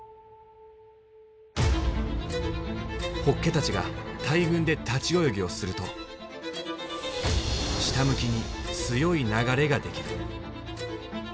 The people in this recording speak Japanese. ホッケたちが大群で立ち泳ぎをすると下向きに強い流れが出来る。